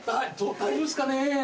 大丈夫っすかねぇ？